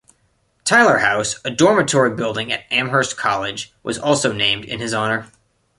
Tyler House, a dormitory building at Amherst College, was also named in his honor.